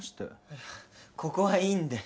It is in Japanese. いやここはいいんで。